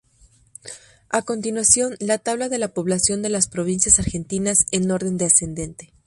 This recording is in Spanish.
A continuación, la tabla de la población de las provincias argentinas en orden descendente.